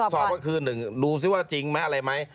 สอบก็คือ๑ดูซิว่าจริงไหมอะไรไหม